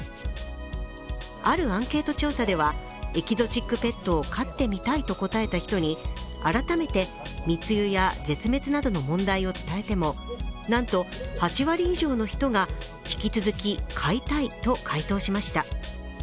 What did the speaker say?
あるアンケート調査では、エキゾチックペットを飼ってみたいと答えた人に改めて密輸や絶滅などの問題を伝えてもなんと８割以上の人が、引き続き飼いたいと回答しました。